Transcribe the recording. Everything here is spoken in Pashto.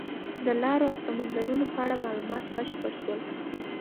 د لارو او سمندرونو په اړه معلومات بشپړ شول.